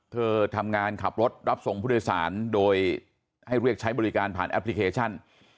เธอทำงานขับรถรับส่งผู้โดยสารโดยให้เรียกใช้บริการผ่านแอปพลิเคชัน